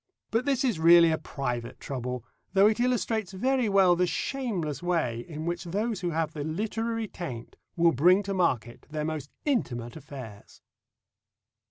But this is really a private trouble, though it illustrates very well the shameless way in which those who have the literary taint will bring to market their most intimate affairs.